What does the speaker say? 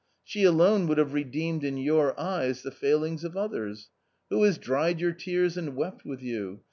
She alone would have redeemed in your eyes the failings of others. Who has dried your tears and wept with you